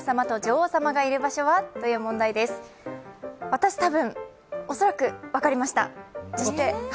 私、たぶん、恐らく分かりました。